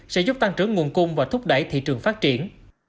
sẽ giúp tăng trưởng nguồn cung và thúc đẩy thị trường phát triển